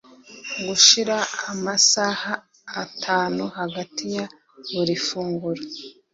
gushira amasaha atanu hagati ya buri funguro